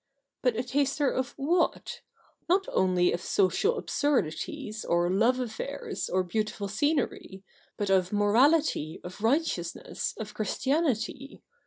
But a taster of what ? Not only of social absurdities, or love affairs, or beautiful scenery, but of morality, of righteousness, of Christianity.